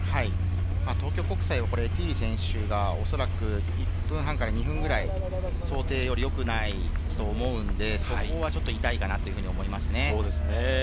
東京国際・エティーリ選手がおそらく１分半から２分くらい、想定よりよくないと思うのでそこはちょっと痛いかなと思いますね。